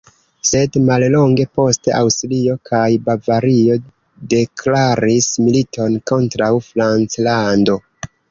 Sed mallonge poste Aŭstrio kaj Bavario deklaris militon kontraŭ Franclando.